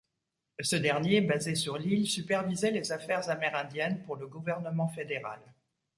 Ce dernier, basé sur l'île, supervisait les affaires amérindiennes pour le gouvernement fédéral.